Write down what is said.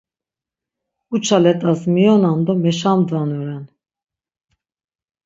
Uça let̆as miyonan do meşamdvanoren.